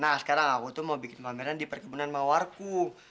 nah sekarang aku tuh mau bikin pameran di perkebunan mawarku